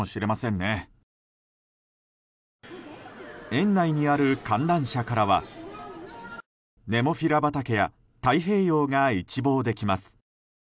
園内にある観覧車からはネモフィラ畑や太平洋が一望できます。